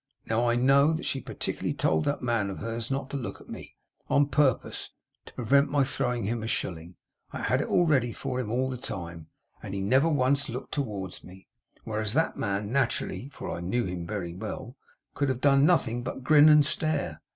'Now I KNOW that she particularly told that man of hers not to look at me, on purpose to prevent my throwing him a shilling! I had it ready for him all the time, and he never once looked towards me; whereas that man naturally, (for I know him very well,) would have done nothing but grin and stare.